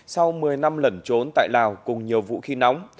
sau một mươi năm lẩn trốn tại lào cùng nhiều vũ khí nóng